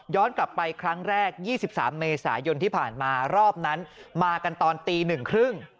กลับไปครั้งแรก๒๓เมษายนที่ผ่านมารอบนั้นมากันตอนตีหนึ่งครึ่ง